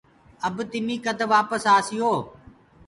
اب تمي ڪد وآپس آسيو۔